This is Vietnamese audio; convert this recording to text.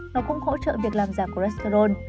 nó cũng hỗ trợ việc làm giảm cholesterol